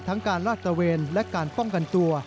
ทั้งการลาดเต็มแรนและการป้องกันตัว